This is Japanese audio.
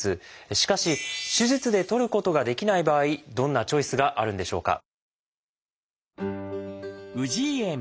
しかし手術でとることができない場合どんなチョイスがあるんでしょうか？